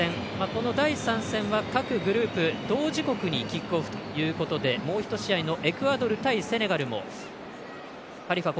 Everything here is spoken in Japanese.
この第３戦は各グループ同時刻にキックオフということでもう１試合のエクアドル対セネガルもハリファ